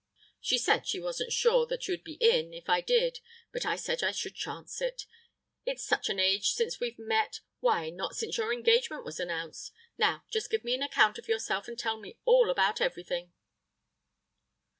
"She said she wasn't sure that you'd be in if I did, but I said I should chance it—it's such an age since we've met—why, not since your engagement was announced! Now, just give me an account of yourself, and tell me all about everything.